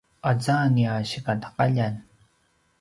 aza nia sikataqaljan